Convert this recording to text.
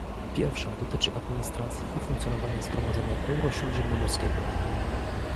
Pierwsza dotyczy administracji i funkcjonowania Zgromadzenia Eurośródziemnomorskiego